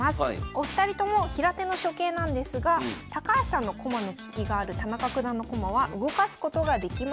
お二人とも平手の初形なんですが高橋さんの駒の利きがある田中九段の駒は動かすことができません。